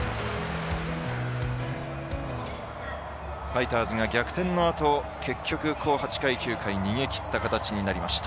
ファイターズが逆転のあと結局８回９回逃げきった形になりました。